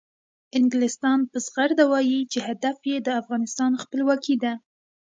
انګلستان په زغرده وایي چې هدف یې د افغانستان خپلواکي ده.